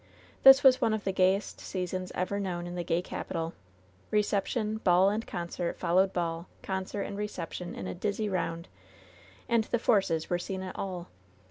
This was one of the gayest seasons ever tnown in the gay capital ; reception, ball and concert fol lowed ball, concert and reception in a dizzy round ; and the Forces were seen at all